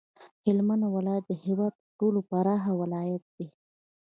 هلمند ولایت د هیواد تر ټولو پراخ ولایت دی